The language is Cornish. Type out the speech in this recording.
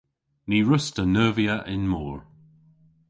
Ny wruss'ta neuvya y'n mor.